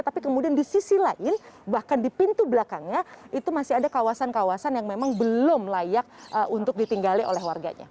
tapi kemudian di sisi lain bahkan di pintu belakangnya itu masih ada kawasan kawasan yang memang belum layak untuk ditinggali oleh warganya